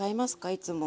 いつも。